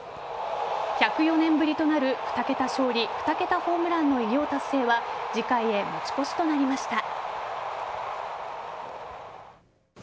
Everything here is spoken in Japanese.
１０４年ぶりとなる２桁勝利、２桁ホームランの偉業達成は次回へ持ち越しとなりました。